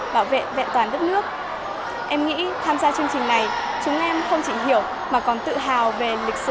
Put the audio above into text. bảo vệ vẹn toàn đất nước em nghĩ tham gia chương trình này chúng em không chỉ hiểu mà còn tự hào về lịch sử